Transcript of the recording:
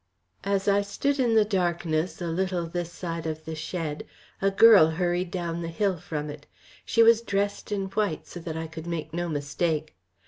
"As I stood in the darkness a little this side of the shed, a girl hurried down the hill from it. She was dressed in white, so that I could make no mistake.